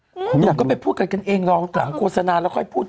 ผมอยากดูคุณก็ไปพูดกันกันเองลองกล่าวโกสนาแล้วค่อยพูด